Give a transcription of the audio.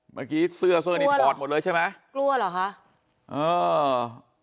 เมื่อกี้เสื้อเสื้อนี่ถอดหมดเลยใช่ไหมกลัวเหรอคะเออ